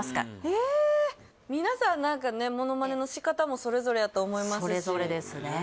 えっ皆さん何かねモノマネの仕方もそれぞれやと思いますしそれぞれですね